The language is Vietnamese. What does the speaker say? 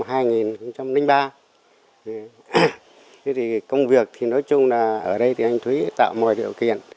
thế thì công việc thì nói chung là ở đây thì anh thúy tạo mọi điều kiện